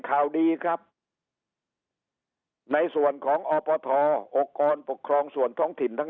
ข่าวดีครับในส่วนของอปทองค์กรปกครองส่วนท้องถิ่นทั้ง